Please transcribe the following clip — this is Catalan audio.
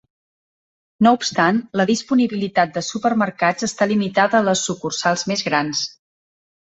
No obstant, la disponibilitat de supermercats està limitada a les sucursals més grans.